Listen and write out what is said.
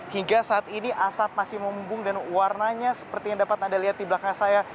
hingga saat ini asap masih membumbung dan warnanya seperti yang dapat anda lihat di belakang saya